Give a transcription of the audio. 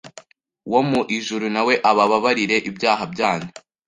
wo mu ijuru na we abababarire ibyaha byanyu